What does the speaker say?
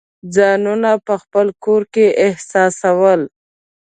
ځانونه په خپل کور کې احساسول.